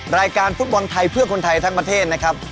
รายการฟุตบอลไทยเพื่อคนไทยทั้งประเทศนะครับ